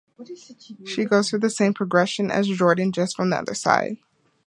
She goes through the same progression as Jordan, just from the other side.